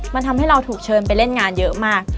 มันทำให้เราถูกเชิญไปเล่นงานเยอะมาก